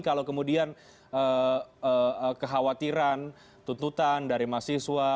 kalau kemudian kekhawatiran tuntutan dari mahasiswa